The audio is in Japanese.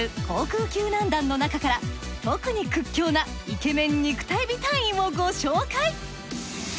航空救難団の中から特に屈強なイケメン肉体美隊員をご紹介。